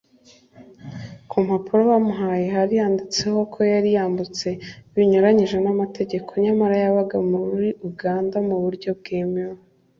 ku mpapuro bamuhaye handitseho ko ‘yari yambutse binyuranyije n’amategeko’ nyamara yabaga muri Uganda mu buryo bwemewe